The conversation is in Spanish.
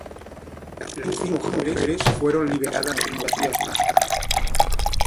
Las cinco mujeres fueron liberadas unos días más tarde.